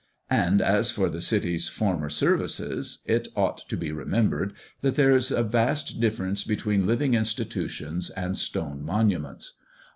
And, as for the City's former services, it ought to be remembered, that there is a vast difference between living institutions and stone monuments.